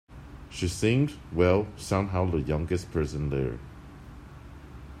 She seemed — well, somehow the youngest person there.